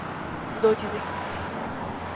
‘نے دوچیزیں کیں۔